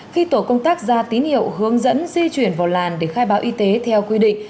khi tổ công tác ra tín hiệu hướng dẫn di chuyển vào làn để khai báo y tế theo quy định